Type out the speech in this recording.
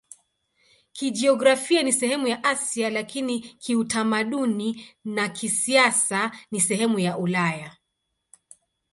Kijiografia ni sehemu ya Asia, lakini kiutamaduni na kisiasa ni sehemu ya Ulaya.